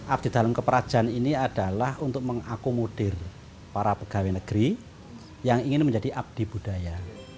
abdi dalam keperajan ini adalah untuk mengakomodir para pegawai negeri yang ingin menjadi abdi budaya